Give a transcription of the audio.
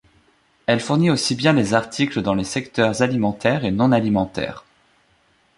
Elle fournit aussi bien des articles dans les secteurs alimentaire et non alimentaires.